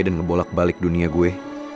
dan ngebolak balik dunia gue